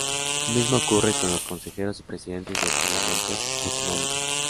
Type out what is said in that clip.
Lo mismo ocurre con los consejeros y presidentes de parlamentos autonómicos.